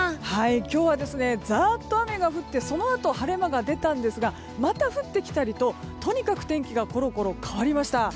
今日はザーッと雨が降ってそのあと、晴れ間が出たんですがまた降ってきたりととにかく天気がころころ変わりました。